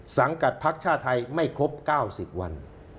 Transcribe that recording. สังกัดพักชาติไทยไม่ครบ๙๐วัน